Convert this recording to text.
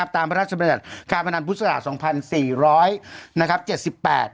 ตามพระราชบัญญัติการพนันพุทธศาสตร์๒๔๗๘